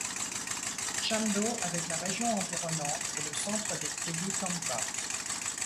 Chamdo, avec la région environnante, est le centre des tribus Khampa.